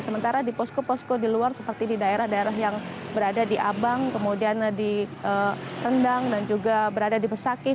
sementara di posko posko di luar seperti di daerah daerah yang berada di abang kemudian di rendang dan juga berada di besakih